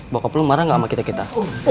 bokap lo marah gak sama kita kita